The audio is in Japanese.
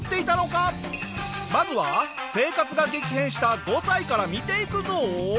まずは生活が激変した５歳から見ていくぞ！